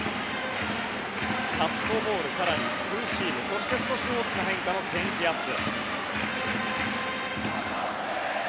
カットボール、更にツーシームそして少し大きな変化のチェンジアップ。